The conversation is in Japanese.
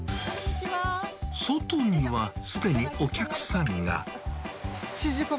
外にはすでにお客さんが。